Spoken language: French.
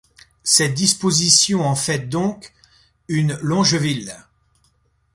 Cette disposition en fait donc une Longeville.